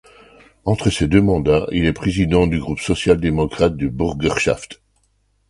Entre ces deux mandats, il est président du groupe social-démocrate du Bürgerschaft.